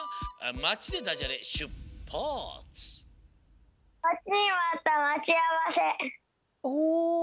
「まち」でダジャレしゅっぱつ！